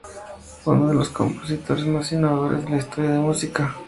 Fue uno de los compositores más innovadores de la historia de la música.